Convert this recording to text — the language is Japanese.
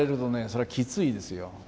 そりゃきついですよ。